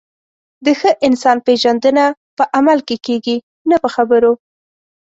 د ښه انسان پیژندنه په عمل کې کېږي، نه په خبرو.